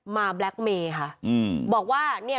แบล็คเมย์ค่ะอืมบอกว่าเนี่ย